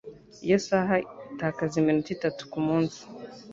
Iyi saha itakaza iminota itatu kumunsi.